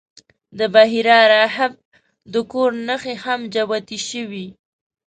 د بحیرا راهب د کور نښې هم جوتې شوې.